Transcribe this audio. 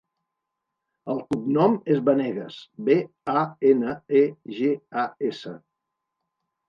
El cognom és Banegas: be, a, ena, e, ge, a, essa.